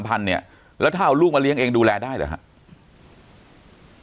พันเนี่ยแล้วถ้าเอาลูกมาเลี้ยงเองดูแลได้หรือครับ